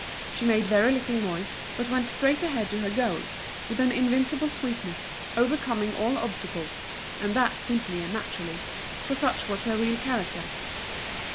She made very little noise, but went straight ahead to her goal, with an invincible sweetness, overcoming all obstacles, and that simply and naturally, for such was her real character.